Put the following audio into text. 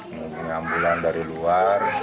menghubungkan ambulan dari luar